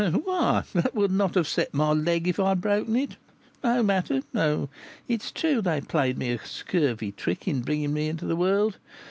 "Why, that would not have set my leg if I had broken it! No matter; though it's true they played me a scurvy trick in bringing me into the world.